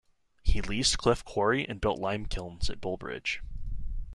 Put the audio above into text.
He leased Cliff Quarry and built limekilns at Bullbridge.